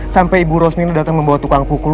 sampai ibu rosmina datang membawa tukang pukul